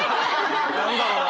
何だろうな？